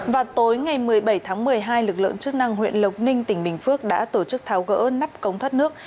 vào tối ngày một mươi bảy tháng một mươi hai lực lượng chức năng huyện lộc ninh tỉnh bình phước đã tổ chức tháo gỡ nắp cống thoát nước